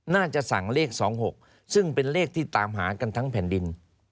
น่าจะสั่งเลข๒๖ซึ่งเป็นเลขที่ตามหากันทั้งแผ่นดิน